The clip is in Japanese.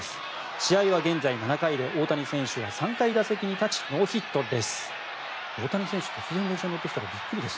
試合は現在、７回で大谷選手は３回打席に立ちノーヒットです。